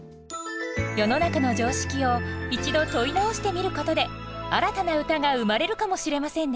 世の中の常識を一度問い直してみることで新たな歌が生まれるかもしれませんね